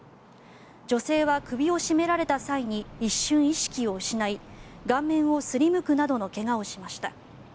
女性は首を絞められた際に一瞬意識を失い顔面をすりむくなどの怪我をしました。